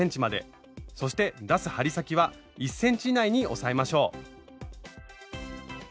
そして出す針先は１ｃｍ以内に抑えましょう。